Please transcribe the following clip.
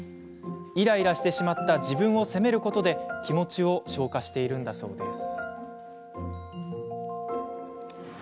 イライラしてしまった自分を責めることで、気持ちを消化しているんだそうです。